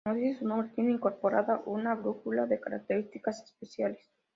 Como dice su nombre, tiene incorporada una brújula de características especiales.